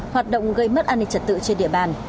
hoạt động gây mất an ninh trật tự trên địa bàn